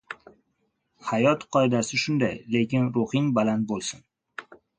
Hayot qoidasi shunday. Lekin ruhing baland boʻlsin.